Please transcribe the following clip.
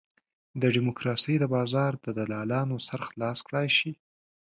د ډیموکراسۍ د بازار دلالانو سر خلاص کړای شي.